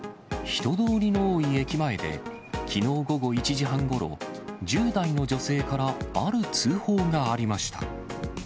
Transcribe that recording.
人通りの多い駅前できのう午後１時半ごろ、１０代の女性からある通報がありました。